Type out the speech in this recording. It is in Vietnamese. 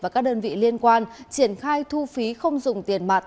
và các đơn vị liên quan triển khai thu phí không dùng tiền mặt